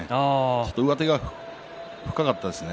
ちょっと上手が深かったですね。